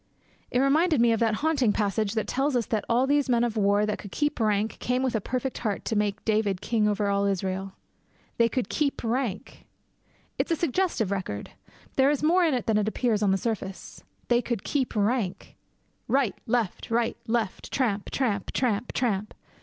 It reminded me of that haunting passage that tells us that 'all these men of war that could keep rank came with a perfect heart to make David king over all Israel.' They could keep rank! It is a suggestive record. There is more in it than appears on the surface. They could keep rank! Right! Left! Right! Left! Tramp! tramp! tramp! tramp!